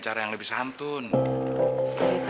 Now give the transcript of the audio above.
kamusang lagi ke buddy